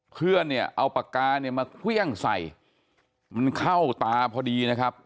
เพื่อนเนี่ยเอาปากกาเนี่ยมาเครื่องใส่มันเข้าตาพอดีนะครับ